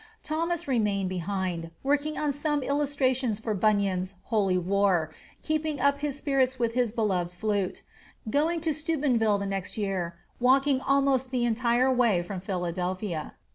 Thomas remained behind, working on some illustrations for Bunyan's "Holy War," keeping up his spirits with his beloved flute; going to Steubenville the next year, walking almost the entire way from Philadelphia.